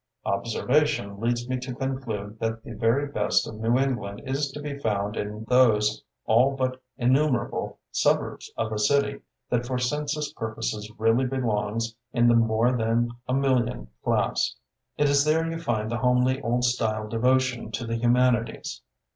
Ob servation leads me to conclude that the very best of New England is to be found in those all but innumerable suburbs of a city that for census pur poses really belongs in the more than a million class. It is there you find the homely old style devotion to the humanities.